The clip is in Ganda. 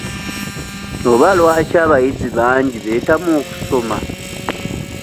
Oba lwaki abayizi bangi beetamwa okusoma?